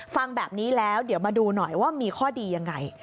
ฟังแบบนี้แล้วเดี๋ยวมาดูหน่อยว่ามีข้อดียังไง